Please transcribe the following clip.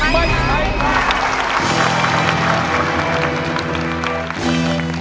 ไม่ใช้ค่ะ